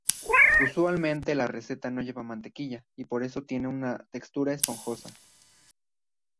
Usualmente la receta no lleva mantequilla y por eso tiene una textura esponjosa.